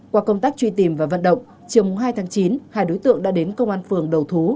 qua công tác truy tìm và vận động chiều hai tháng chín hai đối tượng đã đến công an phường đầu thú